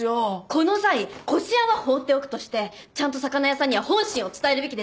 この際こし餡は放っておくとしてちゃんと魚屋さんには本心を伝えるべきです。